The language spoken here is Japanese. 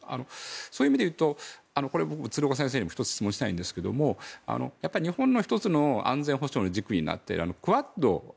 そういう意味でいうと鶴岡先生にも１つ、質問したいんですけれども日本の１つの安全保障の軸になっているクアッド